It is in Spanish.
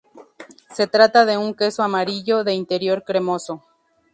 Se trata de un queso amarillo, de interior cremoso.